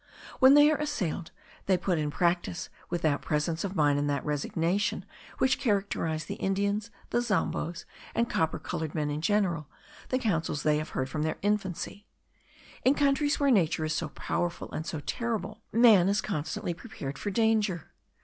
When they are assailed, they put in practice, with that presence of mind and that resignation which characterize the Indians, the Zamboes, and copper coloured men in general, the counsels they have heard from their infancy. In countries where nature is so powerful and so terrible, man is constantly prepared for danger.